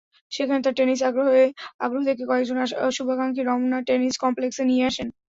সেখানে তার টেনিস আগ্রহ দেখে কয়েকজন শুভাকাঙ্ক্ষী রমনা টেনিস কমপ্লেক্সে নিয়ে আসেন।